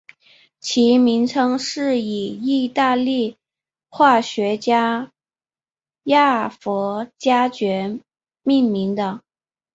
其名称是以义大利化学家亚佛加厥命名的。